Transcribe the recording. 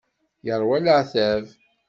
Yeṛwa leɛtab.